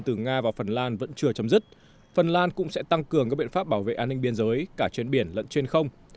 từ nga vào phần lan vẫn chưa chấm dứt phần lan cũng sẽ tăng cường các biện pháp bảo vệ an ninh biên giới cả trên biển lẫn trên không